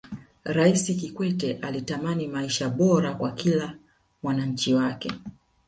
raisi kikwete alitamani maisha bora kwa kila mwananchi wake